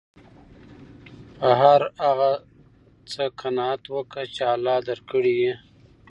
په هر هغه څه قناعت وکه، چي الله درکړي يي.